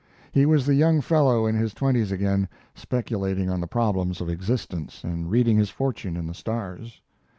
He was the young fellow in his twenties again, speculating on the problems of existence and reading his fortune in the stars.